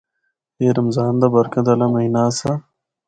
اے رمضان دا برکت آلہ مہینہ آسا۔